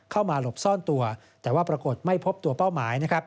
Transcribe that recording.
เข้ามาหลบซ่อนตัวแต่ว่าปรากฏไม่พบตัวเป้าหมาย